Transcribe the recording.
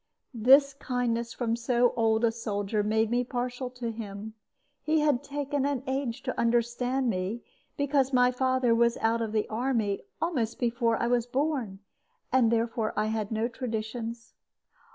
This kindness from so old a soldier made me partial to him. He had taken an age to understand me, because my father was out of the army almost before I was born, and therefore I had no traditions.